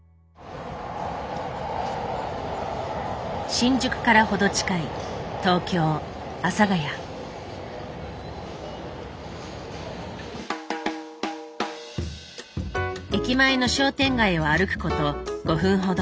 新宿から程近い駅前の商店街を歩くこと５分ほど。